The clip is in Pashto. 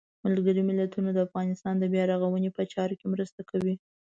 ملګري ملتونه د افغانستان د بیا رغاونې په چارو کې مرسته کوي.